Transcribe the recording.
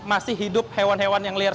masih hidup hewan hewan yang liar